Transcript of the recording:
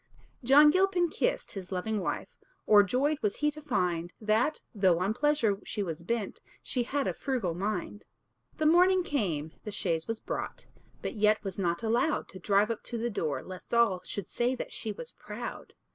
John Gilpin kissed his loving wife; O'er joyed was he to find, That, though on pleasure she was bent, She had a frugal mind. The morning came, the chaise was brought, But yet was not allowed To drive up to the door, lest all Should say that she was proud.